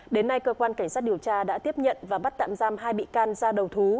đến nay cơ quan cảnh sát điều tra đã tiếp nhận và bắt tạm giam hai bị can ra đầu thú